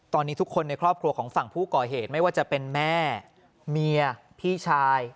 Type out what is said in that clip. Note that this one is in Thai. ตอนนี้ทุกคนในครอบครัวของฝั่งผู้ก่อเหตุไม่ว่าจะเป็นแม่เมียพี่ชาย